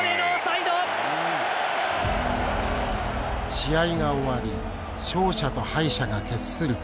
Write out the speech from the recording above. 試合が終わり勝者と敗者が決する時。